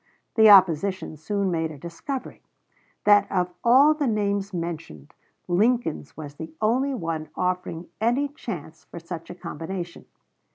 The opposition soon made a discovery: that of all the names mentioned, Lincoln's was the only one offering any chance for such a combination.